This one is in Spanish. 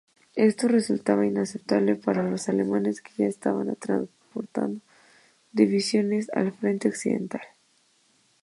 Esto resultaba inaceptable para los alemanes, que ya estaban transportando divisiones al frente occidental.